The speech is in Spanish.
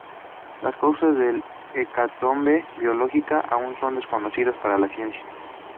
Las causas de la hecatombe biológica aún son desconocidas para la ciencia.